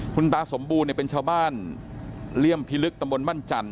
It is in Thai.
คุณตาสมบูรณ์เป็นชาวบ้านเลี่ยมพิลึกตำบลบ้านจันท